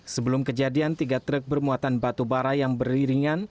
sebelum kejadian tiga truk bermuatan batu bara yang beriringan